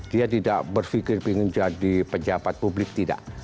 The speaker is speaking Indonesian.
dia tidak berpikir ingin menjadi pejabat publik tidak